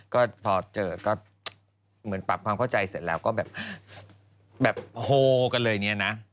ก็พอเจอก็เหมือนปรับความเข้าใจเสร็จแล้วก็แบบโฮกันเลยเนี่ยนะ